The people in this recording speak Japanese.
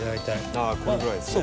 あこのぐらいですね。